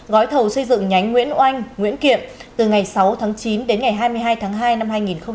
gói thầu xây dựng nhánh nguyễn oanh nguyễn kiệm từ ngày sáu tháng chín đến ngày hai mươi hai tháng hai năm hai nghìn hai mươi